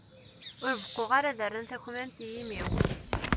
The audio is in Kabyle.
Ur beqquɣ ara ad rren takmamt i yimi-w.